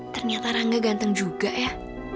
ternyata rangga ganteng juga ya